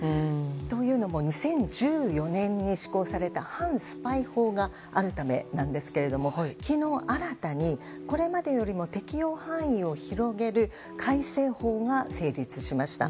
というのも２０１４年に施行された反スパイ法があるためですが昨日新たに、これまでよりも適用範囲を広げる改正法が成立しました。